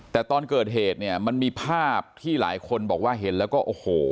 แต่ตอนเกิดเหตุเนี่ยมันมีภาพที่หลายคนบอกว่าเห็นแล้วก็โอ้โห